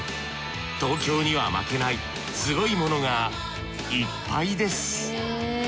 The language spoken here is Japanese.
東京には負けないすごいものがいっぱいです。